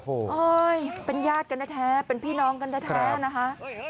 โอ้โหเป็นญาติกันแท้เป็นพี่น้องกันแท้นะคะ